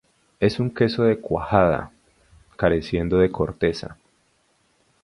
Es un queso de cuajada, careciendo de corteza.